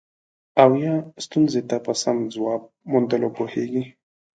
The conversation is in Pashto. او یا ستونزې ته په سم ځواب موندلو پوهیږي.